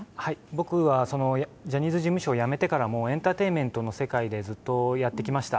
僕はジャニーズ事務所を辞めてからも、エンターテインメントの世界でずっとやってきました。